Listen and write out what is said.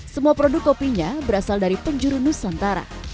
semua produk kopinya berasal dari penjuru nusantara